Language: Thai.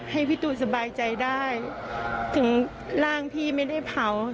ให้พี่ตูนสบายใจได้ถึงร่างพี่ไม่ได้เผา